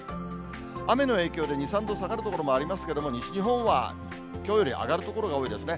雨の影響で２、３度下がる所もありますけれども、西日本はきょうより上がる所が多いですね。